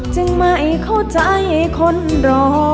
จึงไม่เข้าใจคนรอ